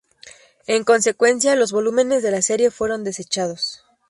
En consecuencia, los volúmenes de la serie fueron desechados.